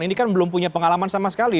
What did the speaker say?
ini kan belum punya pengalaman sama sekali